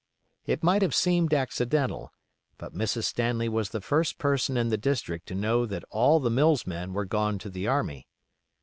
It might have seemed accidental, but Mrs. Stanley was the first person in the district to know that all the Mills men were gone to the army.